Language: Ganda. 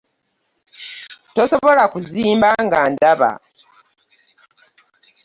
Tosobola kunziba nga ndaba.